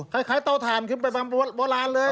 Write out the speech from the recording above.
คล้ายต่อทานบร้านเลย